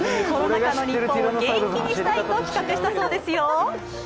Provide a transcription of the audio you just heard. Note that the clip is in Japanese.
コロナ禍の日本を元気にしたいと企画したそうですよ。